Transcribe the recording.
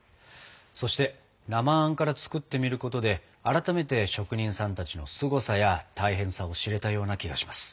そして生あんから作ってみることで改めて職人さんたちのすごさや大変さを知れたような気がします。